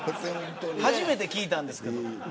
初めて聞いたんですけど。